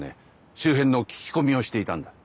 周辺の聞き込みをしていたんだ。